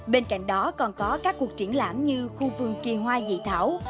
bên cạnh đó còn có các cuộc triển lãm như khu vườn kỳ hoa dị thảo